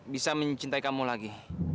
bisa mencintai kamu lagi